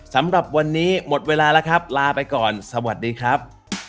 สำหรับวันนี้หมดเวลาแล้วครับลาไปก่อนสวัสดีครับ